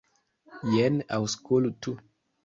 Jen, aŭskultu.